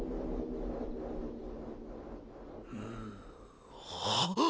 んんあっ！